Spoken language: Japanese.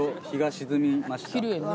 きれいね。